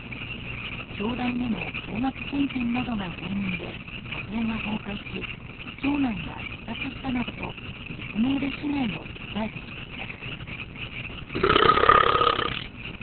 教団への高額献金などが原因で家庭が崩壊し長男が自殺したなどと実名で被害を訴えてきました。